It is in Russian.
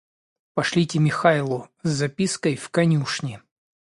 Пошлите Михайлу с запиской в конюшни.